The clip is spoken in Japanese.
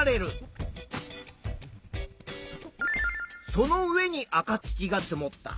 その上に赤土が積もった。